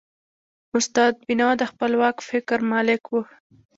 استاد بینوا د خپلواک فکر مالک و.